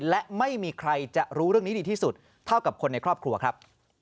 และไม่มีใครจะรู้เรื่องนี้ดีที่สุดเท่ากับคนในครอบครัวครับ